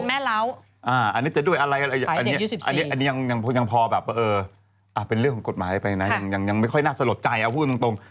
อันนี้จะด้วยอะไรอันนี้ยังพอแบบเออเป็นเรื่องของกฎหมายไปนะยังไม่ค่อยน่าสะหรับใจเอาพูดตรง